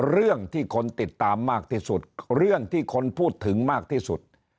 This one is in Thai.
เรื่องที่คนติดตามมากที่สุดเรื่องที่คนพูดถึงมากที่สุด